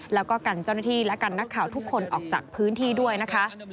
แล้วก็กันเจ้าหน้าที่และกันนักข่าวทุกคนออกจากพื้นที่ด้วยนะคะ